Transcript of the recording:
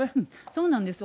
そうなんですよ。